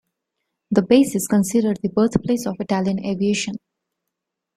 The base is considered the birthplace of Italian aviation.